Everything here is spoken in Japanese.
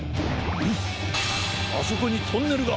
むっあそこにトンネルが！